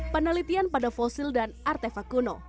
penelitian pada fosil dan artefak kuno